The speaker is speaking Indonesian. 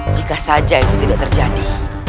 jika saja itu tidak terjadi